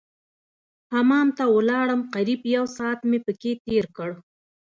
حمام ته ولاړم قريب يو ساعت مې پکښې تېر کړ.